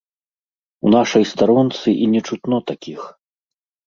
У нашай старонцы і не чутно такіх!